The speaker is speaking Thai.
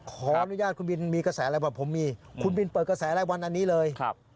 ขออนุญาตคุณบินมีกระแสอะไรบอกผมมีคุณบินเปิดกระแสรายวันอันนี้เลย